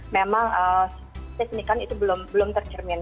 memang signifikan itu belum tercermin